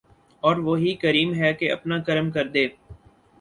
او ر وہی کریم ہے کہ اپنا کرم کردے ۔